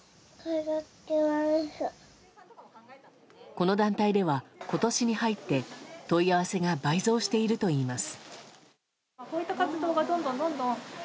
この団体では今年に入って問い合わせが倍増しているといいます。